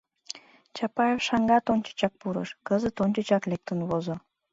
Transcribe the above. Чапаев шаҥгат ончычак пурыш, кызытат ончычак лектын возо.